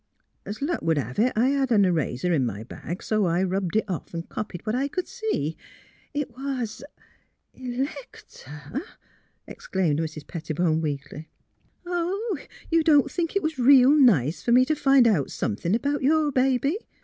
'S luck would have it, I had an eraser in my bag, so I rubbed it off an' copied down what I see. It was "" Electa! " exclaimed Mrs. Pettibone, weakly. '' Oh, you don't think it was reel nice f'r me to find out somethin' about your baby'?